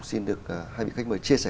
xin được hai vị khách mời chia sẻ